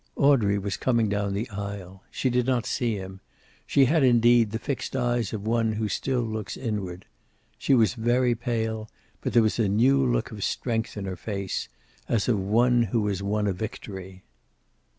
Audrey was coming down the aisle. She did not see him. She had, indeed, the fixed eyes of one who still looks inward. She was very pale, but there was a new look of strength in her face, as of one who has won a victory.